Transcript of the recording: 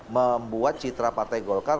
membuat citra partai golkar